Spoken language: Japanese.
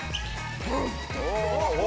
お。